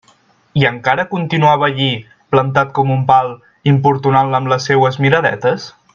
I encara continuava allí, plantat com un pal, importunant-la amb les seues miradetes?